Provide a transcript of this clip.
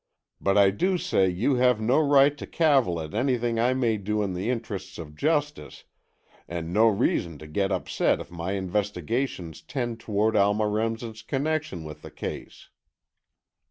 But I do say you have no right to cavil at anything I may do in the interests of justice, and no reason to get upset if my investigations tend toward Alma Remsen's connection with the case."